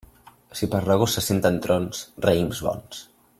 Si per l'agost se senten trons, raïms bons.